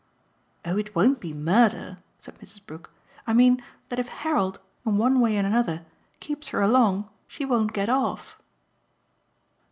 "Oh it won't be murder," said Mrs. Brook. "I mean that if Harold, in one way and another, keeps her along, she won't get off."